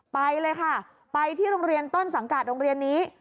ไปเลยค่ะไปที่โรงเรียนต้นสังกัดโรงเรียนนี้